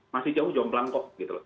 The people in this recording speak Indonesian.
masih jauh jomplang kok gitu loh